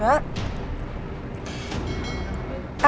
tidak ada apa apa